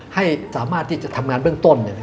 ให้สามารถที่จะทำงานเบื้องต้น